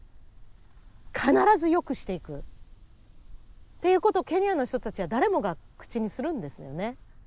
必ずよくしていく。っていうことをケニアの人たちは誰もが口にするんですよね。